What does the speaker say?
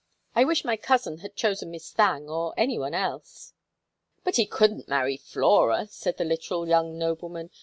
I wish my cousin had chosen Miss Thangue or any one else." "But he couldn't marry Flora," said the literal young nobleman.